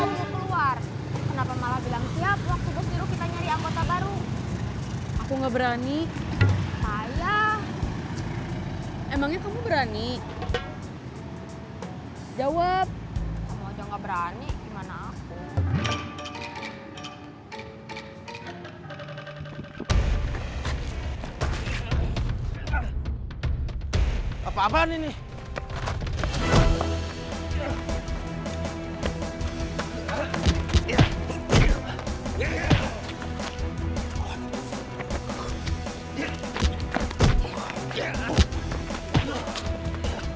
kenapa kamu mau keluar kenapa malah bilang siap waktu bos dulu kita nyari anggota baru